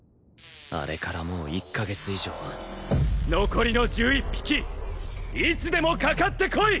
あれからもう一カ月以上残りの１１匹いつでもかかってこい！